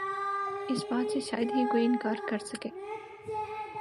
اس بات سے شاید ہی کوئی انکار کرسکے